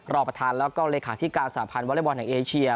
รอบประธานและก็ละคาที่การสาธารณ์วอเล่นบอลแหลงเอเชีย